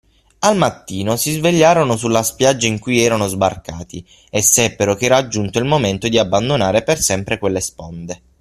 Al mattino, si svegliarono sulla spiaggia in cui erano sbarcati, e seppero che era giunto il momento di abbandonare per sempre quelle sponde.